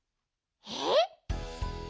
えっ？